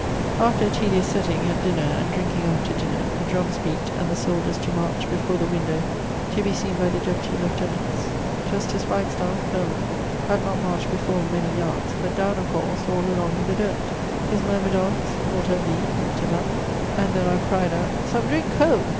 After a taedious setting (at dinner, and drinking after dinner) the drummes beate and the soldiers to march before the windowe to be seen by the Deputy Lieutenants. Justice Wagstaffe[EE] (colonell) had not marcht before 'em many yardes but downe a falls all along in the dirt. His myrmidons, multâ vi, heav'd him up, and then a cryd out 'Some drinke, ho!'